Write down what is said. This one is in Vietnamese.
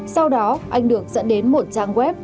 sau đó anh được dẫn đến một trang web